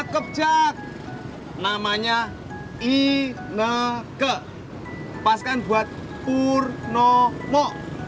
kejak namanya i ne ke pas kan buat purnomo